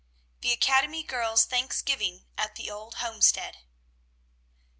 THE ACADEMY GIRL'S THANKSGIVING AT THE OLD HOMESTEAD.